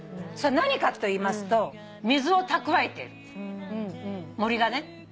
それ何かといいますと水を蓄えている森がね。